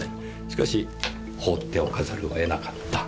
しかし放っておかざるをえなかった。